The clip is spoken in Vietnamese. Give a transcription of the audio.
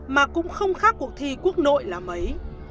mà cũng không khác cuộc thi quốc nội là mấy